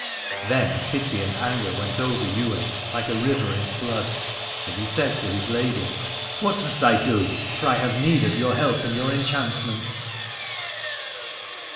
Then pity and anger went over Ywain like a river in flood, and he said to his lady : What must I do, for I have need of your help and your enchantments.